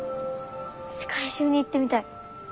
世界中に行ってみたい。